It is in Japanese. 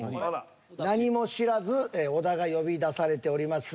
何も知らず小田が呼び出されております。